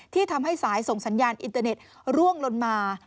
ที่ทำให้สายส่งสัญญาณอินเตอร์เน็ตร่วงลนมา